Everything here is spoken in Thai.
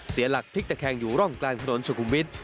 เสียหลักพลิกตะแคงอยู่ร่องกลางถนนสุขุมวิทย